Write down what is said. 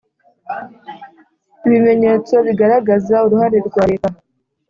ibimenyetso bigaragaza uruhare rwa Leta